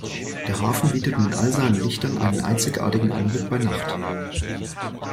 Der Hafen bietet mit all seinen Lichtern einen einzigartigen Anblick bei Nacht.